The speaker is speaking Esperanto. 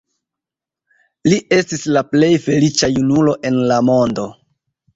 Li estis la plej feliĉa junulo en la mondo.